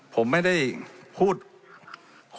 ผมไม่ได้พูดคุยกับคุณครับครับ